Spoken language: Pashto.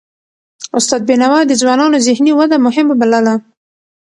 استاد بينوا د ځوانانو ذهني وده مهمه بلله.